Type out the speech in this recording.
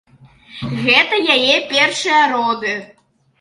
Гэта яе першыя роды.